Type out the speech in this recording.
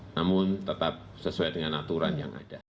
namun tetap sesuai dengan aturan yang ada